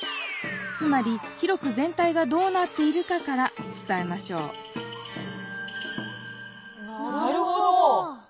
つまり広くぜん体がどうなっているかから伝えましょうなるほど。